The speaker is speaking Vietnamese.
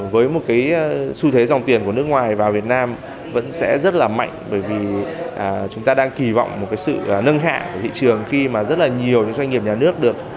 với một cái xu thế dòng tiền của nước ngoài vào việt nam vẫn sẽ rất là mạnh bởi vì chúng ta đang kỳ vọng một cái sự nâng hạ của thị trường khi mà rất là nhiều những doanh nghiệp nhà nước được